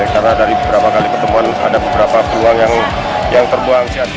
karena dari beberapa kali pertemuan ada beberapa peluang yang terbuang